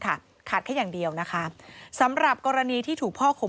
โปรดติดตามต่างกรรมโปรดติดตามต่างกรรม